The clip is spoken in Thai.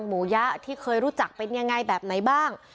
หมูยะที่เคยรู้จักเป็นยังไงแบบไหนบ้าง